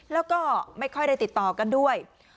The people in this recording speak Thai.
แล้วก็ไม่ค่อยได้ติดต่อกันด้วย